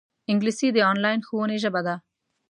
انګلیسي د انلاین ښوونې ژبه ده